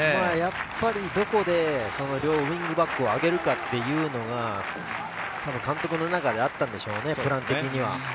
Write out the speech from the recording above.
どこで両ウイングバックを上げるかというのが監督の中であったんでしょうね、プラン的には。